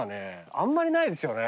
あんまりないですよね。